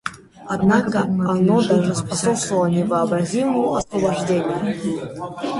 Однако оно также способствовало невообразимому освобождению.